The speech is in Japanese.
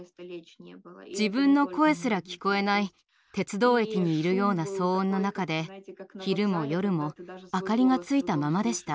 自分の声すら聞こえない鉄道駅にいるような騒音の中で昼も夜も明かりがついたままでした。